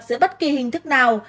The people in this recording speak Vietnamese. giữa bất kỳ hình thức nào